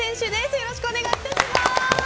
よろしくお願いします。